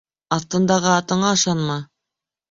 Аҫтыңдағы атыңа ышанма